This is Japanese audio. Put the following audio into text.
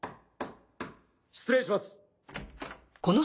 失礼します。